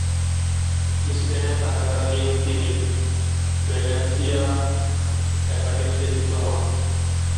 স্পেনে থাকাকালীন তিনি ভ্যালেন্সিয়া একাডেমীতে যুক্ত হন।